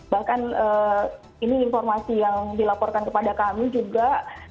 bahkan ini informasi yang dilaporkan kepada kami juga